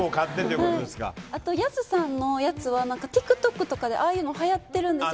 あとヤスさんのやつは、ＴｉｋＴｏｋとかでああいうのハヤってるんですよ